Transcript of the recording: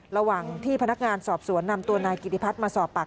ระหว่างที่พนักงานสอบสวนนำตัวนายกิติพัฒน์มาสอบปาก